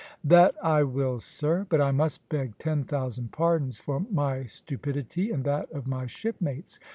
"That I will, sir; but I must beg ten thousand pardons for my stupidity, and that of my shipmates.